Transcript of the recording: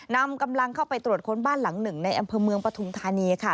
นำกำลังเข้าไปตรวจค้นบ้านหลังหนึ่งในอำเภอเมืองปฐุมธานีค่ะ